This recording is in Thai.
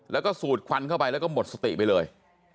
แล้วก็สูดควันเข้าไปแล้วก็หมดสติไปเลย